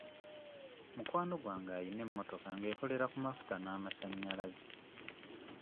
Mukwano gwange ayina emmotoka ng'ekolera ku mafuta n'amasannyalaze.